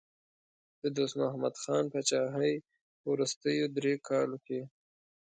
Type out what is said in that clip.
د دوست محمد خان پاچاهۍ په وروستیو دریو کالو کې.